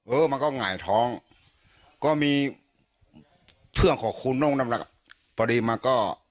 เออมันก็ไหงท้องก็มีเพื่องของครูนกนำจาก